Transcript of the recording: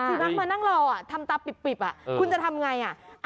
ที่นั่งมานั่งรอทำตาปิบคุณจะทำยังไง